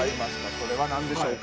それは何でしょうか？